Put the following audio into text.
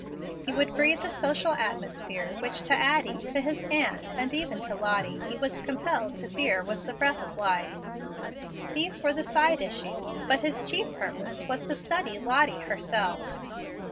He would breathe the social atmosphere which to Addie, to his aunt, and even to Lottie, he was compelled to fear was as the breath of life. These were the side issues; but his chief purpose was to study Lottie herself.